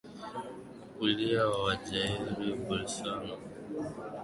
kulia wa Jair Jair Bolsonaro Kulingana na Reuters